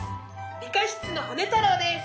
理科室のホネ太郎です。